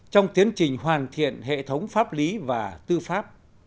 trong tiến trình hoàn thiện hệ thống pháp lý và tư pháp